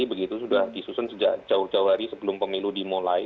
begitu sudah disusun sejak jauh jauh hari sebelum pemilu dimulai